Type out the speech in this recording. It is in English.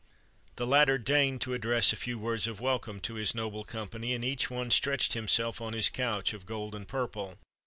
The latter deigned to address a few words of welcome to his noble company, and each one stretched himself on his couch of gold and purple.